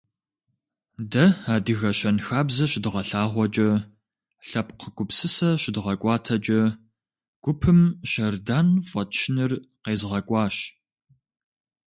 Дэ адыгэ щэнхабзэ щыдгъэлъагъуэкӀэ, лъэпкъ гупсысэ щыдгъэкӀуатэкӀэ, гупым «Щэрдан» фӀэтщыныр къезгъэкӀуащ.